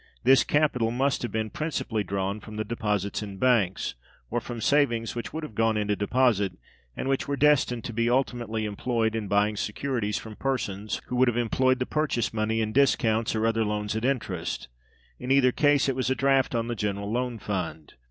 This capital must have been principally drawn from the deposits in banks, or from savings which would have gone into deposit, and which were destined to be ultimately employed in buying securities from persons who would have employed the purchase money in discounts or other loans at interest: in either case, it was a draft on the general loan fund.